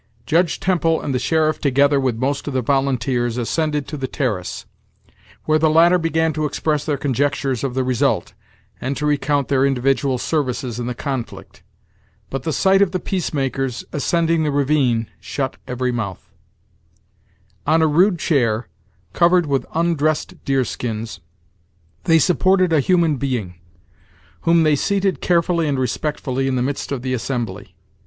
Judge Temple and the sheriff together with most of the volunteers, ascended to the terrace, where the latter began to express their conjectures of the result, and to recount their individual services in the conflict. But the sight of the peace makers ascending the ravine shut every mouth. On a rude chair, covered with undressed deer skins, they supported a human being, whom they seated carefully and respectfully in the midst of the assembly.